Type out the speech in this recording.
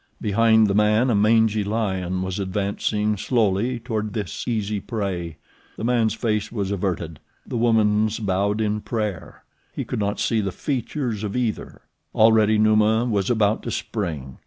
Behind the man a mangy lion was advancing slowly toward this easy prey. The man's face was averted; the woman's bowed in prayer. He could not see the features of either. Already Numa was about to spring.